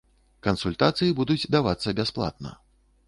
Кансультацыі будуць давацца бясплатна.